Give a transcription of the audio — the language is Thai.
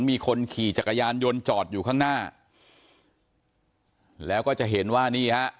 มีคนขี่จักรยานยนต์จอดอยู่ข้างหน้าแล้วก็จะเห็นว่านี่ฮะ